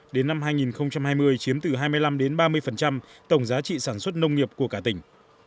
đến năm hai nghìn hai mươi chiếm từ hai mươi năm ba mươi tổng giá trị sản xuất nông nghiệp của cả tỉnh